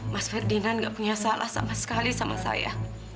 mas ferdinand gak punya salah sama sekali sama saya